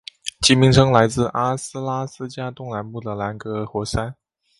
其名称来自阿拉斯加东南部的兰格尔火山。